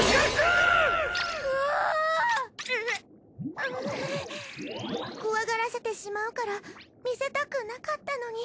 あ怖がらせてしまうから見せたくなかったのに。